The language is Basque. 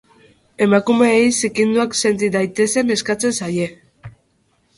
Emakumeei zikinduak senti daitezen eskatzen zaie.